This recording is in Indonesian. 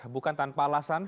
bukan tanpa alasan